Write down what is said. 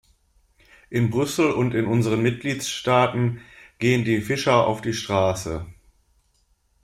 In Brüssel und in unseren Mitgliedstaaten gehen die Fischer auf die Straße.